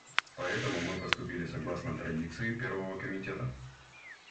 Поэтому мы поступили согласно традиции Первого комитета.